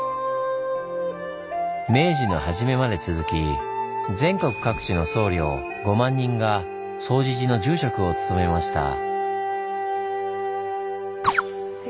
明治の初めまで続き全国各地の僧侶５万人が總持寺の住職を務めました。